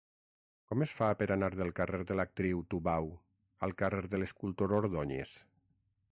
Com es fa per anar del carrer de l'Actriu Tubau al carrer de l'Escultor Ordóñez?